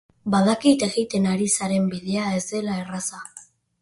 Badakit egiten ari zaren bidea ez dela erraza.